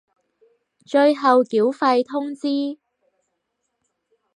最後繳費通知